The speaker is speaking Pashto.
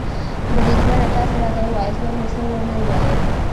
بریدمنه، تاسې راته ووایاست، نور مې څه و نه ویل.